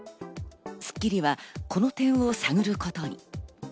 『スッキリ』はこの点を探ることに。